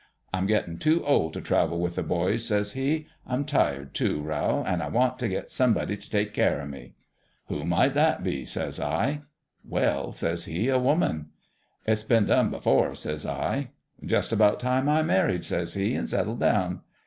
"' I'm gettin' too old t' travel with the boys,' says he. ' I'm tired, too, Rowl ; an' I want t' get somebody t' take care o' me.' "' Who might that be ?' says I. 1 86 GINGERBREAD "' Well/ says he, ' a woman.' "' It's been done before,' says I. "' Jus' about time I married,' says he, ' an' set tled down.'